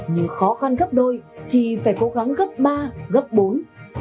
nhưng khó khăn gấp đôi thì phải cố gắng gấp ba gấp bốn